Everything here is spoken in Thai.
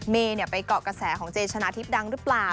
ไปเกาะกระแสของเจชนะทิพย์ดังหรือเปล่า